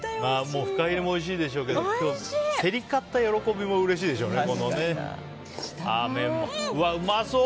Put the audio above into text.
もうフカヒレもおいしいでしょうけど今日、競り勝った喜びもうれしいでしょうね。